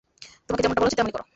তোমাকে যেমনটা বলা হচ্ছে তেমনই করো।